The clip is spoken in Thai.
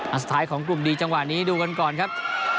สุดท้ายของกลุ่มดีจังหวะนี้ดูกันก่อนครับ